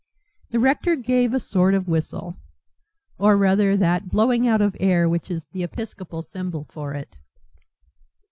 The rector gave a sort of whistle, or rather that blowing out of air which is the episcopal symbol for it.